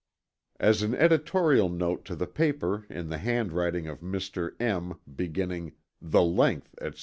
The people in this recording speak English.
"As an Editorial note to the paper in the hand writing of Mr. M. beginning 'The length, &c.'"